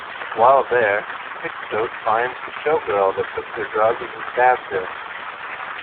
While there, Pixote finds the showgirl that took their drugs and stabs her.